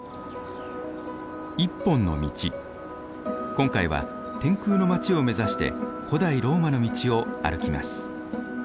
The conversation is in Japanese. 今回は天空の街を目指して古代ローマの道を歩きます。